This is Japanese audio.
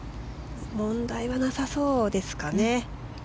問題はなさそうですかね。